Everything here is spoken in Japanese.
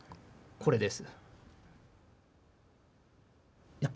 これです。